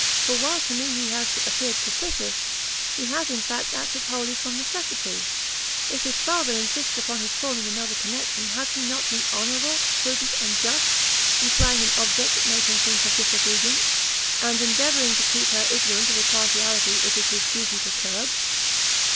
for while to me he has appeared capricious, he has, in fact, acted wholly from necessity; if his father insists upon his forming another connection, has he not been honourable, prudent and just, in flying an object that made him think of disobedience, and endeavouring to keep her ignorant of a partiality it is his duty to curb?"